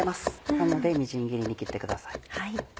なのでみじん切りに切ってください。